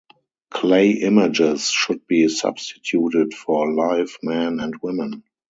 Clay images should be substituted for live men and women.